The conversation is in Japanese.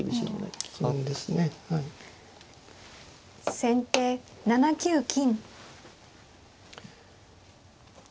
先手７九金。